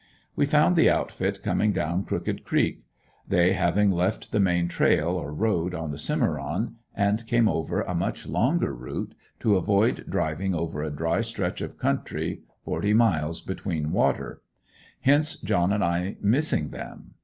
We found the outfit coming down Crooked Creek; they having left the main trail, or road, on the Cimeron, and came over a much longer route, to avoid driving over a dry stretch of country, forty miles between water. Hence John and I missing them.